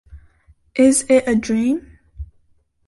Is It a Dream?